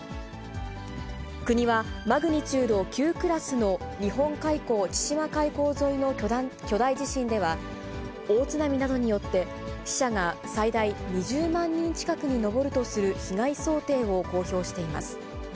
国は、マグニチュード９クラスの日本海溝・千島海溝沿いの巨大地震では、大津波などによって、死者が最大２０万人近くに上るとする被害想定を公表しています。